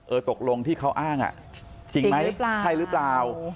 ตกลงที่เขาอ้างจริงไหมใช่หรือเปล่า